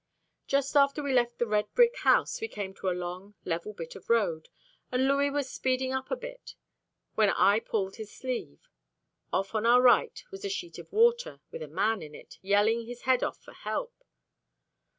Just after we left the red brick house, we came to a long, level bit of road, and Louis was speeding up a bit when I pulled his sleeve. Off on our right was a sheet of water, with a man in it, yelling his head off for help.